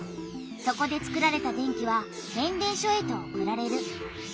そこでつくられた電気は変電所へと送られる。